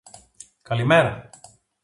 καλημέρα